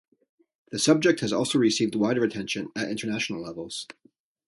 The subject has also received wider attention at international levels.